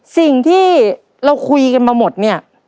สิ่งที่เราคุยกันมาหมดเนี่ย